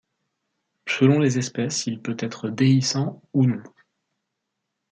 Selon les espèces, il peut être déhiscent ou non.